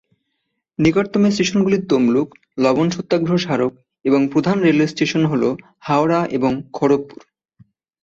নিকটতম স্টেশনগুলি তমলুক, লবণ সত্যাগ্রহ স্মারক এবং প্রধান রেলওয়ে স্টেশন হল হাওড়া এবং খড়গপুর।